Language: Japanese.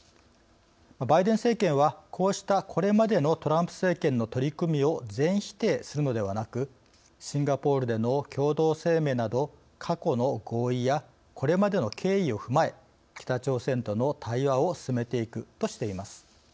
バイデン政権はこうしたこれまでのトランプ政権の取り組みを全否定するのではなくシンガポールでの共同声明など過去の合意やこれまでの経緯を踏まえ北朝鮮との対話を進めていくとしています。